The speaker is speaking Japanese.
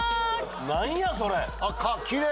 何やそれ！？